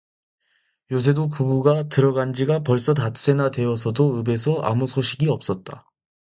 요새도 부부가 들어간 지가 벌써 닷새나 되어서도 읍에서 아무 소식이 없었다.